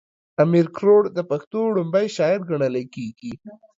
امير کروړ د پښتو ړومبی شاعر ګڼلی کيږي